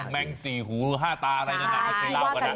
แมงสี่หูห้าตาอะไรนั้นให้เคยเล่ากันนะ